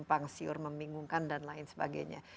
pangsiur membingungkan dan lain sebagainya